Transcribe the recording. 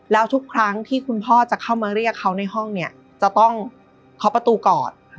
แล้วทุกครั้งที่คุณพ่อจะเข้ามาเรียกเขาในห้องเนี่ยจะต้องเคาะประตูก่อน